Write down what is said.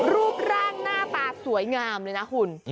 รูปร่างหน้าตาสวยงามเลยนะคุณ